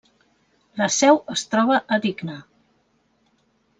La seu es troba a Digne.